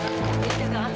loh ini kan